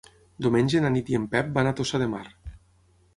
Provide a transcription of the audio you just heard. Diumenge na Nit i en Pep van a Tossa de Mar.